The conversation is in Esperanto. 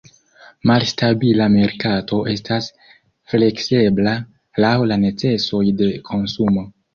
Malstabila merkato estas fleksebla, laŭ la necesoj de konsumo.